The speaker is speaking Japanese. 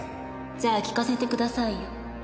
じゃあ聞かせてくださいよ。